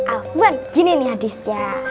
alfuan gini nih hadisnya